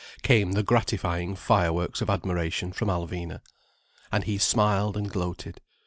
came the gratifying fireworks of admiration from Alvina. And he smiled and gloated.